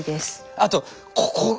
あとここ。